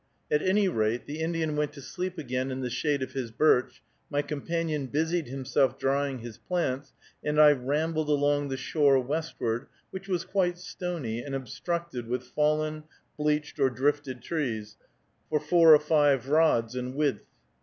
At any rate, the Indian went to sleep again in the shade of his birch, my companion busied himself drying his plants, and I rambled along the shore westward, which was quite stony, and obstructed with fallen, bleached, or drifted trees for four or five rods in width.